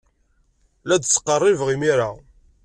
La d-ttqerribeɣ imir-a.